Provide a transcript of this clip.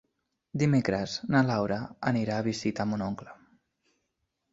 Dimecres na Laura anirà a visitar mon oncle.